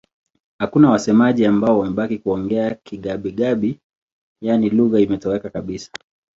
Hakuna wasemaji ambao wamebaki kuongea Kigabi-Gabi, yaani lugha imetoweka kabisa.